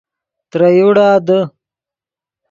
ترے یوڑا دے